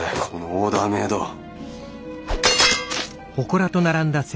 このオーダーメード。